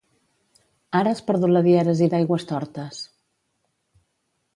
Ara has perdut la dièresi d'Aigüestortes